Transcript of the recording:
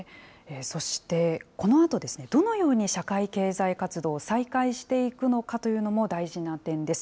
そしてこのあとですね、どのように社会経済活動を再開していくのかというのも大事な点です。